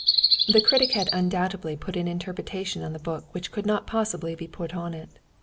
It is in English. The critic had undoubtedly put an interpretation upon the book which could not possibly be put on it.